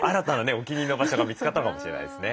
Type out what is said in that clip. お気に入りの場所が見つかったのかもしれないですね。